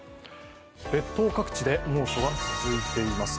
列島各地で猛暑が続いています。